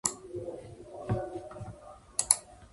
猫の模様は千差万別だ。